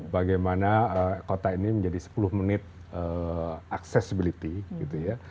bagaimana kota ini menjadi sepuluh menit accessibility